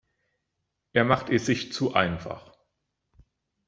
Er macht es sich zu einfach.